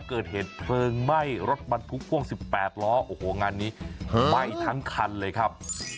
เกิดเหตุเพลิงไหม้รถบรรทุกพ่วง๑๘ล้อโอ้โหงานนี้ไหม้ทั้งคันเลยครับ